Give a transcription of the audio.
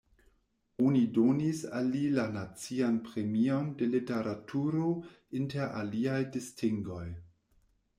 Oni donis al li la Nacian Premion de Literaturo inter aliaj distingoj.